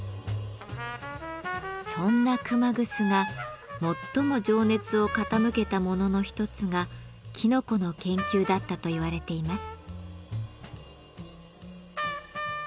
そんな熊楠が最も情熱を傾けたものの一つがきのこの研究だったと言われています。